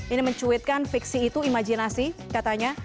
ini mencuitkan fiksi itu imajinasi katanya